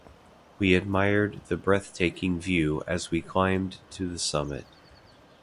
We admired the breathtaking view as we climbed to the summit.